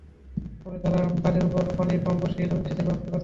পরে তাঁরা বাঁধের ওপর পানির পাম্প বসিয়ে জমিতে সেচের ব্যবস্থা করছেন।